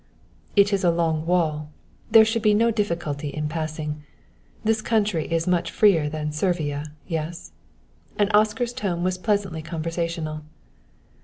"It is a long wall; there should be no difficulty in passing. This country is much freer than Servia yes?" and Oscar's tone was pleasantly conversational.